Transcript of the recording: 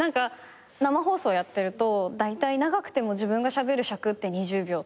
生放送やってるとだいたい長くても自分がしゃべる尺って２０秒とか。